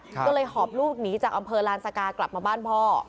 ก็เลยหอบลูกหนีจากอำเภอลานสกากลับมาบ้านพ่อ